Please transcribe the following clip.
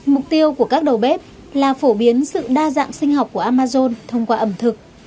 mục tiêu của các đầu bếp là phổ biến sự đa dạng sinh học của amazon thông qua ẩm thực